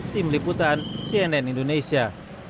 tim liputan cnn indonesia